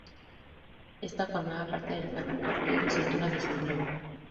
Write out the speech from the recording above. Esta formaba parte del Ferrocarril de Cintura de Santiago.